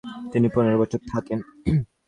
তিনি পনেরো বছর থাকেন।